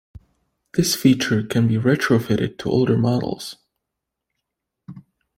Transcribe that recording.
This feature can be retrofitted to older models.